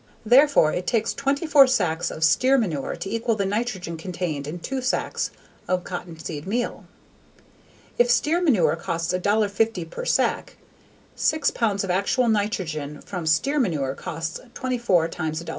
Therefore it takes 24 sacks of steer manure to equal the nitrogen contained in two sacks of cottonseed meal. If steer manure costs $1.50 per sack, six pound of actual nitrogen from steer manure costs 24 x $1.50 = $36.